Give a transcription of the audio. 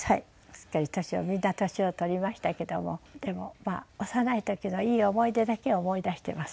すっかり年をみんな年を取りましたけどもでもまあ幼い時のいい思い出だけを思い出してます。